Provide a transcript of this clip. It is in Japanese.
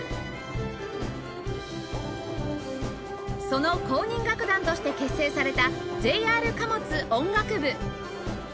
その公認楽団として結成された ＪＲ 貨物音楽部